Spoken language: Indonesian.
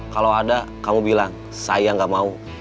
kalau ada kamu bilang saya nggak mau